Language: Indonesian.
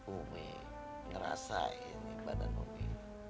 umi ngerasain pada umi